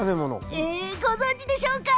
ご存じでしょうか？